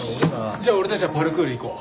じゃあ俺たちはパルクール行こう。